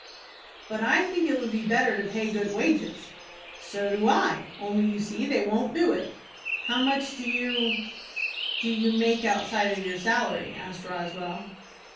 "But I think it would be better to pay good wages." "So do I, only you see they won't do it." "How much do you do you make outside of your salary?" asked Roswell.